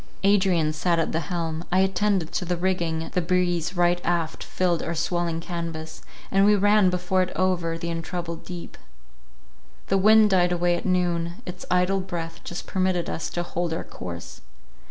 Adrian sat at the helm; I attended to the rigging, the breeze right aft filled our swelling canvas, and we ran before it over the untroubled deep. The wind died away at noon; its idle breath just permitted us to hold our course.